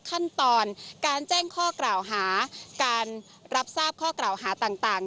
ขั้นตอนการแจ้งข้อกล่าวหาการรับทราบข้อกล่าวหาต่าง